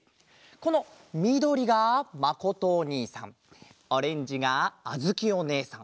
このみどりがまことおにいさんオレンジがあづきおねえさん